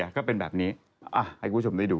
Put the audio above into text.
ก็เป็นแบบนี้ให้คุณผู้ชมได้ดู